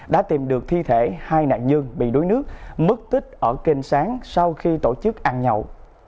đã tìm được thi thể hai nạn nhân bị đuối nước mất tích ở kênh sáng sau khi tổ chức ăn nhậu